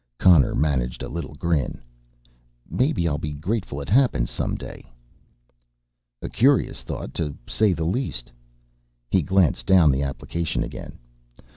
Connor managed a little grin. "Maybe I'll be grateful it happened some day." "A curious thought, to say the least." He glanced down the application again.